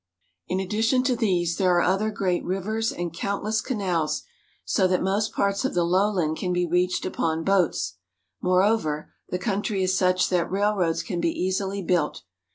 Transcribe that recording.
In addition to these, there are other great rivers and countless canals, so Boy in Winter Dress. 112 CHINA that most parts of the lowland can be reached upon boats. Moreover, the country is such that railroads can be easily built.